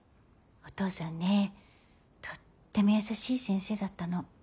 お父さんねとっても優しい先生だったの。